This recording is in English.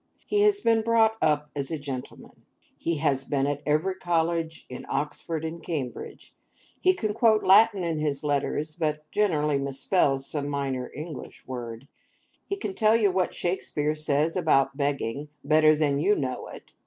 He has been brought up as a gentleman; he has been at every college in Oxford and Cambridge; he can quote Latin in his letters (but generally misspells some minor English word); he can tell you what Shakespeare says about begging, better than you know it.